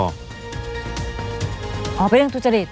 เป็นเรื่องทุจริต